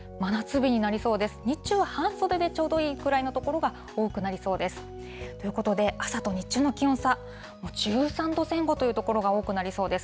日中は半袖でちょうどいいぐらいの所が多くなりそうです。ということで、朝と日中の気温差、１３度前後という所が多くなりそうです。